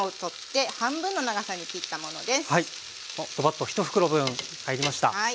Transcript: ドバッと１袋分入りました。